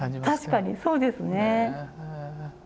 確かにそうですね。